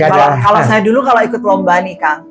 kalau saya dulu kalau ikut lomba nih kang